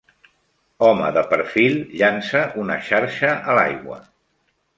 home de perfil llança una xarxa a l'aigua.